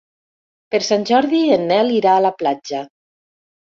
Per Sant Jordi en Nel irà a la platja.